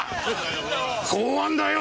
公安だよ！